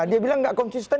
dia bilang gak konsisten